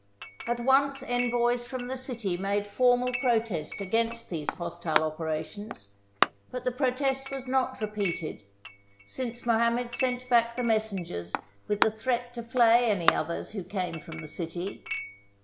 At once envoys from the city made formal protest against these hostile operations, but the pro , test was not repeated, since Mohammed sent back the messengers with the threat to flay any others who came from the city.